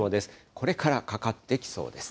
これからかかってきそうです。